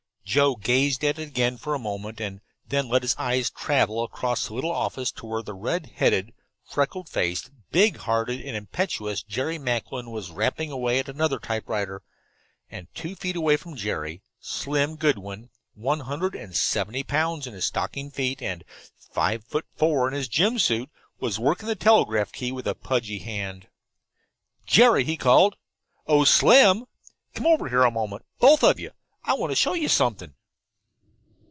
Joe gazed at it again for a moment, and then let his eyes travel across the little office to where red headed, freckle faced, big hearted and impetuous Jerry Macklin was rapping away at another typewriter, and, two feet away from Jerry, "Slim" Goodwin, "one hundred and seventy pounds in his stockinged feet, and five feet four in his gym suit," was working the telegraph key with a pudgy hand. "Jerry!" he called. "Oh, Slim! Come over here a moment, both of you. I want to show you something."